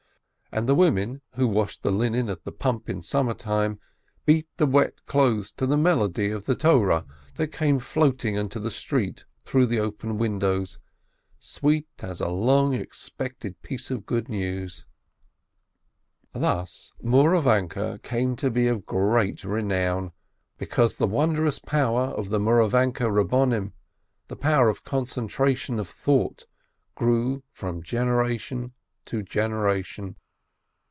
And the women, who washed the linen at the pump in summer time, beat the wet clothes to the melody of the Torah that came floating into the street through the open windows, sweet as a long expected piece of good news. 572 BERKOWITZ Thus Mouravanke came to be of great renown, be cause the wondrous power of the Mouravanke Rab bonim, the power of concentration of thought, grew from generation to generation.